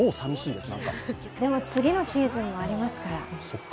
でも、次のシーズンもありますから。